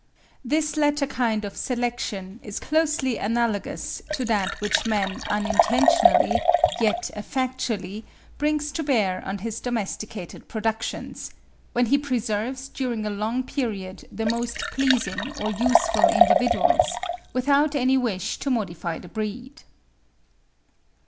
This latter kind of selection is closely analogous to that which man unintentionally, yet effectually, brings to bear on his domesticated productions, when he preserves during a long period the most pleasing or useful individuals, without any wish to modify the breed.